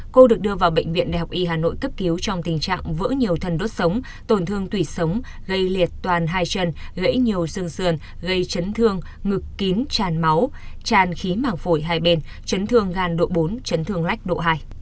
cô được đưa vào bệnh viện đại học y hà nội cấp cứu trong tình trạng vỡ nhiều thần đốt sống tổn thương tủy sống gây liệt toàn hai chân gãy nhiều xương gây chấn thương ngực kín tràn máu tràn khí mảng phổi hai bên chấn thương gan độ bốn chấn thương lách độ hai